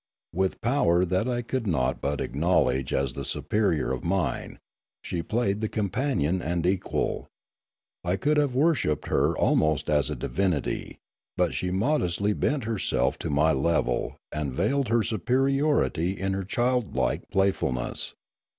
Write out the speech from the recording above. With power that I could not but acknowledge as the superior of mine, she played the companion and equal. I could have worshipped her almost as a divinity; but she modestly bent herself to my level, and veiled her superiority in her childlike playfulness.